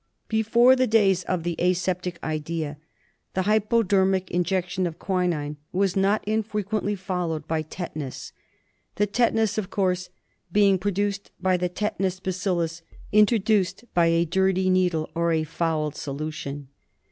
Before the days of the aseptic idea the hypodermic injection of quinine was not infrequently followed by tetanus; the tetanus, of course, being produced by the tetanus bacillus introduced by a dirty needle or a fouled solution.